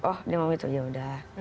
oh dia mau itu yaudah